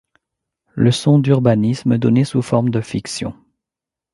Leçon d'urbanisme donnée sous forme de fiction.